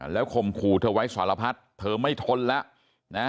แล้วข่มขู่เธอไว้สารพัดเธอไม่ทนแล้วนะ